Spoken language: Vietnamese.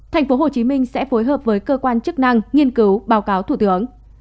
tp hcm sẽ phối hợp với cơ quan chức năng nghiên cứu báo cáo thủ tướng